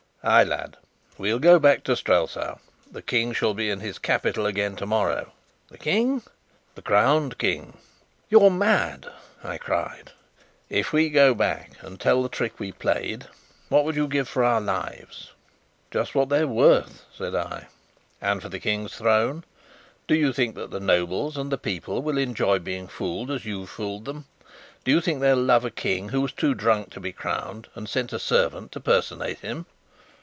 "Ay, lad, we'll go back to Strelsau. The King shall be in his capital again tomorrow." "The King?" "The crowned King!" "You're mad!" I cried. "If we go back and tell the trick we played, what would you give for our lives?" "Just what they're worth," said I. "And for the King's throne? Do you think that the nobles and the people will enjoy being fooled as you've fooled them? Do you think they'll love a King who was too drunk to be crowned, and sent a servant to personate him?"